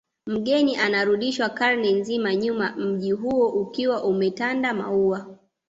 Mgeni anarudishwa karne nzima nyuma mji huo ukiwa umetanda maua